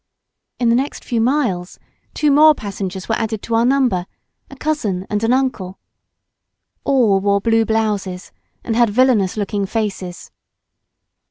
In the next few miles two more passengers were added to our number, a cousin and an uncle. All wore blue blouses, and had villainous looking faces.